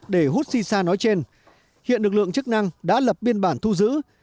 để hút si sa nói trên hiện lực lượng chức năng đã lập biên bản thu giữ